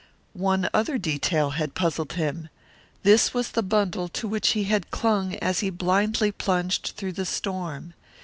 One other detail had puzzled him. This was the bundle to which he had clung as he blindly plunged through the storm.